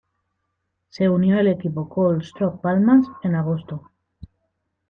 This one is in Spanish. Se unió al equipo Collstrop-Palmans en agosto.